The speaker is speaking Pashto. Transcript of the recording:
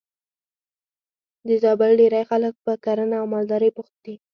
د زابل ډېری خلک په کرنه او مالدارۍ بوخت دي.